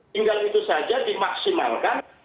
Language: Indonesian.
tinggal itu saja dimaksimalkan